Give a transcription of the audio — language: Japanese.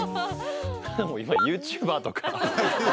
今ＹｏｕＴｕｂｅｒとか